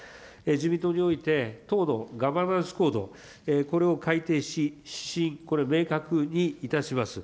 自民党において、党のガバナンスコード、これを改定し、指針、これ明確にいたします。